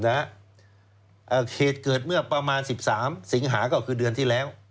เหตุเกิดเมื่อประมาณ๑๓สิงหาก็คือเดือนที่แล้ว